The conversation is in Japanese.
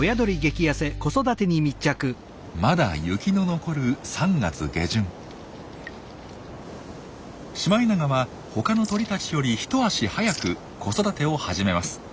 まだ雪の残るシマエナガは他の鳥たちより一足早く子育てを始めます。